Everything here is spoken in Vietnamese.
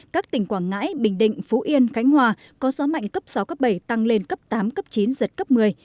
các tỉnh quảng ngãi bình định phú yên khánh hòa có gió mạnh cấp sáu cấp bảy tăng lên cấp tám cấp chín giật cấp một mươi